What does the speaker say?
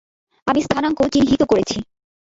আমি স্থানাঙ্ক চিহ্নিত করেছি।